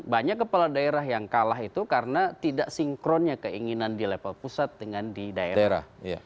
banyak kepala daerah yang kalah itu karena tidak sinkronnya keinginan di level pusat dengan di daerah